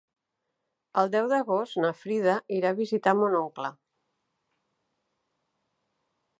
El deu d'agost na Frida irà a visitar mon oncle.